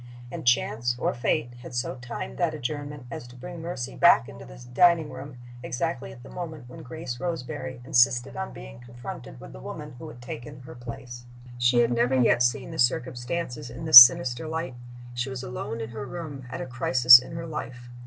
And Chance, or Fate, had so timed that adjournment as to bring Mercy back into the dining room exactly at the moment when Grace Roseberry insisted on being confronted with the woman who had taken her place. She had never yet seen the circumstances in this sinister light. She was alone in her room, at a crisis in her life.